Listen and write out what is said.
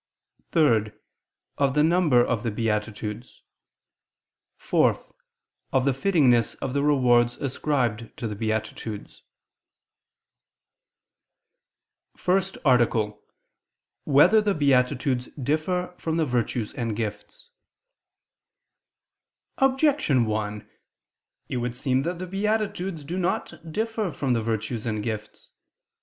(3) Of the number of the beatitudes; (4) Of the fittingness of the rewards ascribed to the beatitudes. ________________________ FIRST ARTICLE [I II, Q. 69, Art. 1] Whether the Beatitudes Differ from the Virtues and Gifts? Objection 1: It would seem that the beatitudes do not differ from the virtues and gifts.